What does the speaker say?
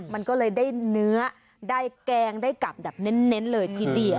มันก็เลยได้เนื้อได้แกงได้กลับแบบเน้นเลยทีเดียว